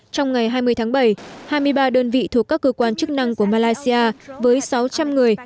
trong ngày hai mươi tháng bảy hai mươi ba đơn vị thuộc các cơ quan chức năng của malaysia với sáu trăm linh người